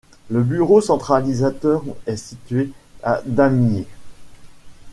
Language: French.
Le bureau centralisateur est situé à Damigny.